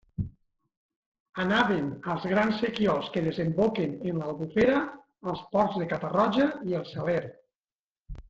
Anaven als grans sequiols que desemboquen en l'Albufera, als ports de Catarroja i el Saler.